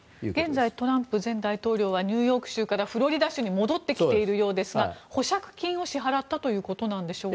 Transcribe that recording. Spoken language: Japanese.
現在トランプ前大統領はニューヨーク州からフロリダ州に戻ってきているようですが保釈金を支払ったということなんでしょうか。